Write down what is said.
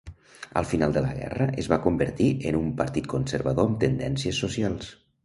Al final de la guerra es va convertir en un partit conservador amb tendències socials.